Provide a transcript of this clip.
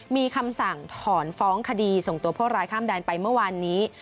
มีคำสั่งถอนฟ้องคดีส่งตัวผู้ร้ายข้ามแดนไปเมื่อวานนี้